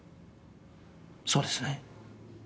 そうですね？